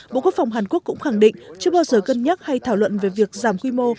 bộ quốc phòng hàn quốc cũng khẳng định chưa bao giờ cân nhắc hay thảo luận về việc giảm quy mô